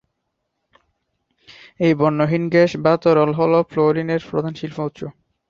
এই বর্ণহীন গ্যাস বা তরল হ'ল ফ্লোরিন এর প্রধান শিল্প উৎস।